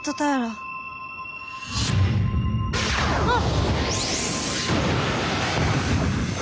あっ！